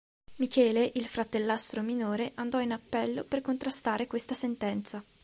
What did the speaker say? Michele, il fratellastro minore, andò in appello per contrastare questa sentenza.